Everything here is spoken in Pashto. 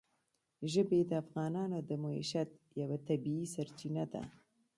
ژبې د افغانانو د معیشت یوه طبیعي سرچینه ده.